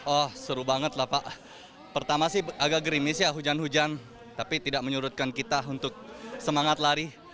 oh seru banget lah pak pertama sih agak gerimis ya hujan hujan tapi tidak menyurutkan kita untuk semangat lari